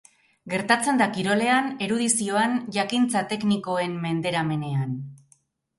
Gertatzen da kirolean, erudizioan, jakintza teknikoen menderamenean.